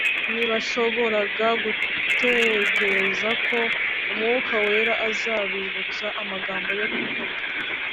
ntibashoboraga gutegereza ko mwuka wera azabibutsa amagambo yo kuvuga